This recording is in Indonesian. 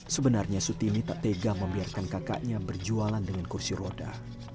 sebenarnya sutini tak tega membiarkan kakaknya berjualan dengan kursi roda